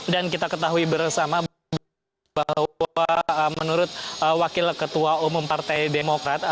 dan kita ketahui bersama bahwa menurut wakil ketua umum partai demokrat